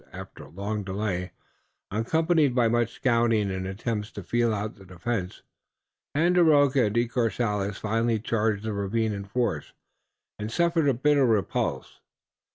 After a long delay, accompanied by much scouting and attempts to feel out the defense, Tandakora and De Courcelles finally charged the ravine in force and suffered a bitter repulse.